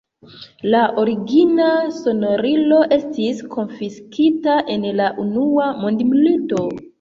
La origina sonorilo estis konfiskita en la unua mondmilito.